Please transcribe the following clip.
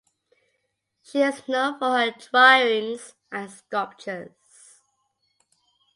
She is known for her drawings and sculptures.